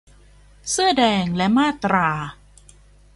เสื้อแดง และมาตรา